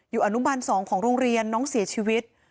อยู่อนุบันสองของโรงเรียนน้องเสียชีวิต